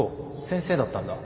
先生だったんだ。